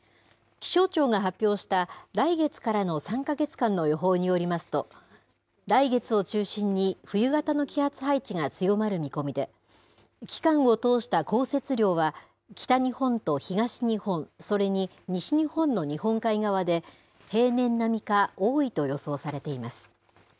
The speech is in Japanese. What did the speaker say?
気象庁が発表した、来月からの３か月間の予報によりますと、来月を中心に、冬型の気圧配置が強まる見込みで、期間を通した降雪量は、北日本と東日本、それに西日本の日本海側で、平年並みか多いと予想されています。